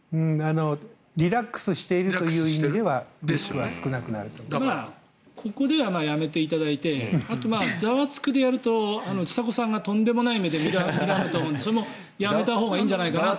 リラックスしてるという意味ではここではやめていただいてあとは「ザワつく！」でやるとちさ子さんがとんでもない目で見られると思うのでそれもやめたほうがいいんじゃないかと。